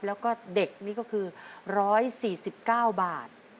แล้วก็เด็กนี่ก็คือ๑๔๙บาท